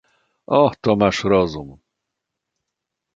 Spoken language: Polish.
"O, to masz rozum!"